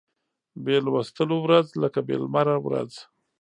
بې لوستلو ورځ لکه بې لمره ورځ